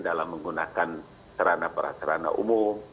dalam menggunakan sarana parasarana umum